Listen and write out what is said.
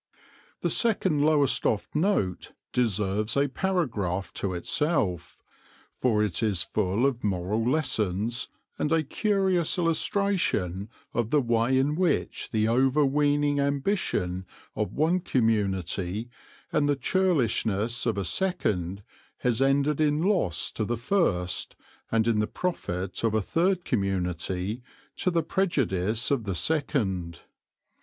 The second Lowestoft note deserves a paragraph to itself, for it is full of moral lessons, and a curious illustration of the way in which the overweening ambition of one community and the churlishness of a second has ended in loss to the first and in the profit of a third community to the prejudice of the second.